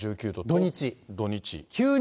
土日。